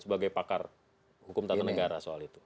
sebagai pakar hukum tata negara soal itu